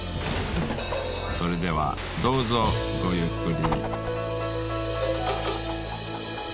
それではどうぞごゆっくり。